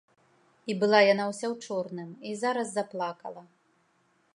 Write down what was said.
І была яна ўся ў чорным і зараз заплакала.